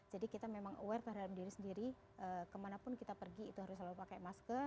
jadi kita memang aware terhadap diri sendiri kemanapun kita pergi itu harus selalu pakai masker